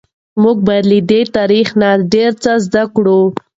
موږ باید له دې تاریخ نه ډیر څه زده کړو.